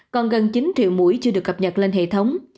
còn gần chín triệu mũi chưa được cập nhật lên hệ thống